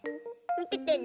みててね。